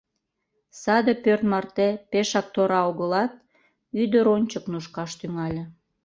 Саде пӧрт марте пешак тора огылат, ӱдыр ончык нушкаш тӱҥале.